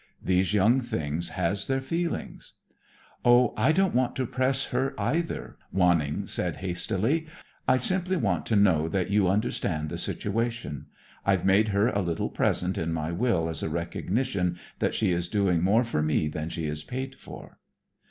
These young things has their feelings." "Oh, I don't want to press her, either," Wanning said hastily. "I simply want to know that you understand the situation. I've made her a little present in my will as a recognition that she is doing more for me than she is paid for."